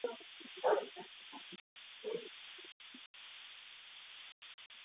Maeneo ugonjwa unafika mara kwa mara huwa na idadi kubwa ya vifo